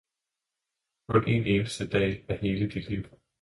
kun en eneste dag er hele dit liv!